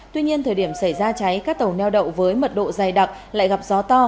tuy nhiên thời điểm xảy ra cháy các tàu neo đậu với mật độ dày đặc lại gặp gió to